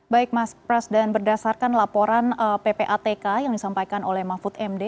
baik mas prasdan berdasarkan laporan ppatk yang disampaikan oleh mahfud md